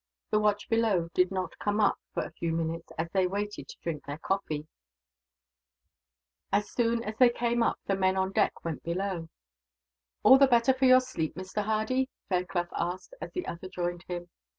The watch below did not come up, for a few minutes, as they waited to drink their coffee. As soon as they appeared, the men on deck went below. "All the better for your sleep, Mr. Hardy?" Fairclough asked, as the other joined him.